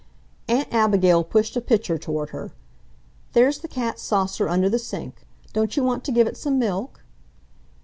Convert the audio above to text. Aunt Abigail pushed a pitcher toward her. "There's the cat's saucer under the sink. Don't you want to give it some milk?"